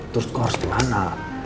terus kok harus dimana